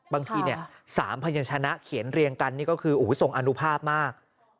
บางที๓พยันชนะเขียนเรียงกันนี่ก็คือทรงอนุภาพมาก